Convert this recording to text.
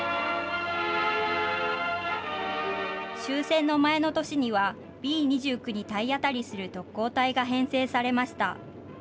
終戦の前の年にはＢ２９に体当たりする特攻隊が編成されました。